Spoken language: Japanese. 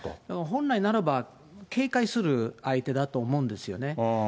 本来ならば、警戒する相手だと思うんですよね。